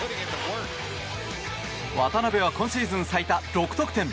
渡邊は今シーズン最多、６得点。